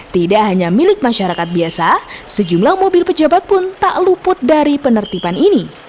tidak hanya milik masyarakat biasa sejumlah mobil pejabat pun tak luput dari penertiban ini